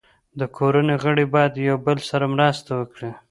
د کورنۍ غړي باید یو بل سره مرسته وکړي.